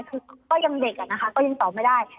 คือก็ยังเด็กอะนะคะก็ยังตอบไม่ได้